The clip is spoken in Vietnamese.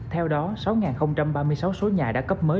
theo đó sáu ba mươi sáu số nhà đã cấp mới